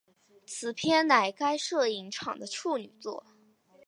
此片乃该摄影场的处女作。